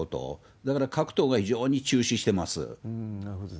だから各党が非常に注視してます。